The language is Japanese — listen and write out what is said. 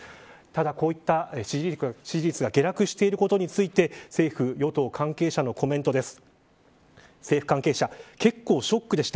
ただ、こういった支持率が下落していることについて政府与党関係者のコメントです。